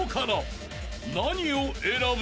［何を選ぶ？］